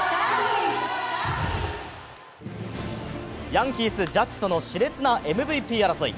ヤンキース・ジャッジとのしれつなＭＶＰ争い。